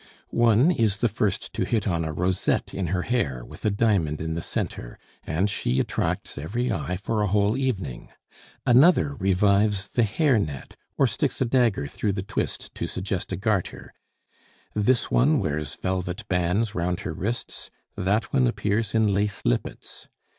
One is the first to hit on a rosette in her hair with a diamond in the centre, and she attracts every eye for a whole evening; another revives the hair net, or sticks a dagger through the twist to suggest a garter; this one wears velvet bands round her wrists, that one appears in lace lippets.